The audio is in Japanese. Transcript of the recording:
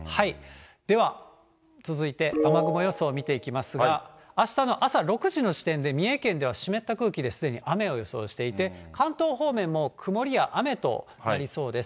では、続いて雨雲予想を見ていきますが、あしたの朝６時の時点で、三重県では湿った空気で、すでに雨を予想していて、関東方面も曇りや雨となりそうです。